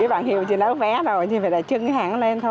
thì cái bảng hiều chỉ lấy vé rồi chỉ phải đại trưng cái hàng nó lên thôi